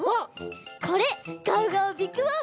これガオガオビッグフォーク。